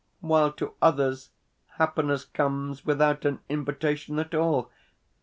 While to others happiness comes without an invitation at all?